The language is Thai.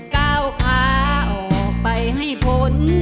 ก้าวค้าออกไปให้ผล